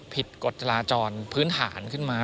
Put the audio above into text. กฎจราจรพื้นฐานขึ้นมา